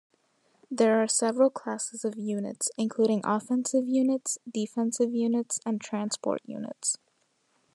There are several classes of units, including offensive units, defensive units and transport units.